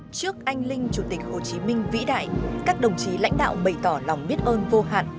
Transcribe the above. trước anh linh chủ tịch hồ chí minh vĩ đại các đồng chí lãnh đạo bày tỏ lòng biết ơn vô hạn